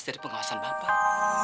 saya sering mengasal bapak